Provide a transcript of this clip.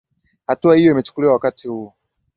hatua hiyo imechukuliwa wakati huu